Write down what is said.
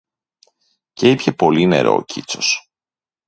Και ήπιε πολύ νερό ο Κίτσος